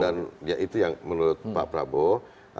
dan itu yang menurut pak prabowo